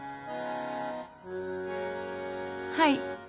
はい。